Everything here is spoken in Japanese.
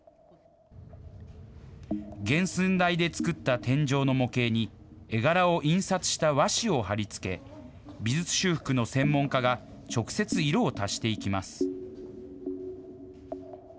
原寸大で作った天井の模型に、絵柄を印刷した和紙を貼り付け、美術修復の専門家が直接、色を足していきます。